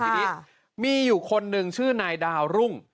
ทีนี้มีอยู่คนหนึ่งชื่อนายดาวรุ่ง